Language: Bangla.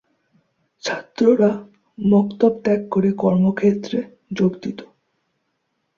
ছাত্ররা মক্তব ত্যাগ করে কর্মক্ষেত্রে যোগ দিত।